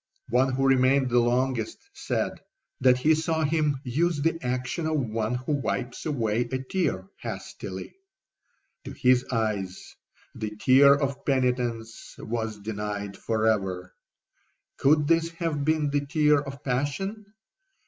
'One who remained the longest said, that he saw him use the action of one who wipes away a tear hastily. To his eyes the tear of penitence was denied for ever. Could this have been the tear of passion?